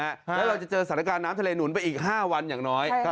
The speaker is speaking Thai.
แล้วเราจะเจอสถานการณ์น้ำทะเลหนุนไปอีก๕วันอย่างน้อย